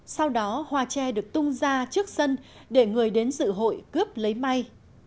sau đó hoa tre được tung ra trước sân để người đến dự hội cướp lấy may